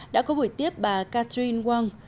đã có buổi tiếp bà catherine wong